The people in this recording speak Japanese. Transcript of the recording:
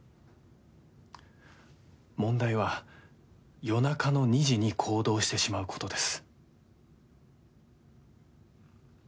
問題は夜中の２時に行動してしまうことです。